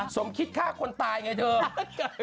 สมคิดฆ่าคนตายไงเธอ